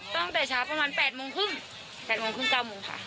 ก็ตั้งแต่ช้าประมาณแปดโมงครึ่งแปดโมงครึ่งเก้าโมงค่ะ